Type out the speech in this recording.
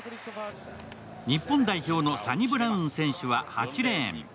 日本代表のサニブラウン選手は８レーン。